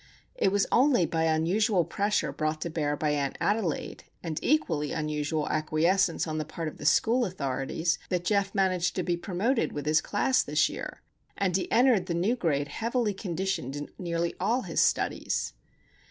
It was only by unusual pressure brought to bear by Aunt Adelaide, and equally unusual acquiescence on the part of the school authorities, that Geof managed to be promoted with his class this year, and he entered the new grade heavily conditioned in nearly all his studies.